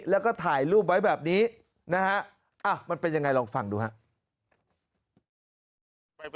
แล้วก็ถ่ายรูปไว้แบบนี้นะฮะมันเป็นยังไงลองฟังดูครับ